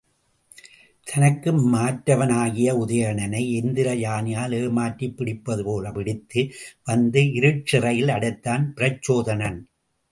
தனக்கு மாற்றவனாகிய உதயணனை எந்திர யானையால் ஏமாற்றிப் பிடிப்பதுபோலப் பிடித்து வந்து இருட்சிறையில் அடைத்தான் பிரச்சோதனன்.